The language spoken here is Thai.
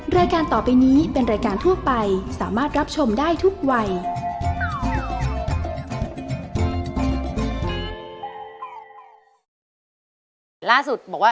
รายการต่อไปนี้เป็นรายการทั่วไปสามารถรับชมได้ทุกวัย